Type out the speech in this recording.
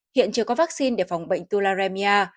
hiện chưa có vaccine để phòng bệnh tularemia